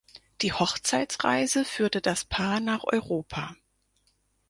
Die Hochzeitsreise führte das Paar nach Europa.